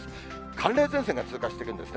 寒冷前線が通過していくんですね。